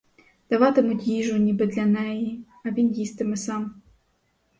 Даватимуть їжу ніби для неї, а він їстиме сам.